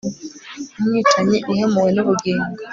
umwicanyi uhemuwe n'ubugingo